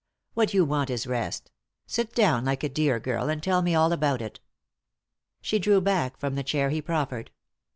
What you want is rest ; sit down, like a dear girl, and tell me all about it." She drew back from the chair he proffered.